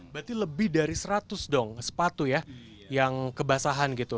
berarti lebih dari seratus dong sepatu ya yang kebasahan gitu